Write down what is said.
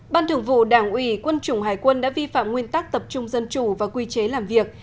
ban thường vụ đảng ủy quân chủng hải quân đã vi phạm nguyên tắc tập trung dân chủ và quy chế làm việc